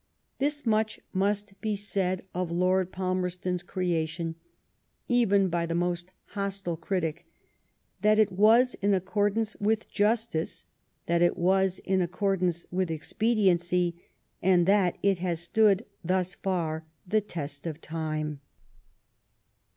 This much must be said of Lord Palmerston's creation, even by the most hostile critic : that it was in accordance with justice, that it was in accordance with expediency, and that it has stood thus far the test of time.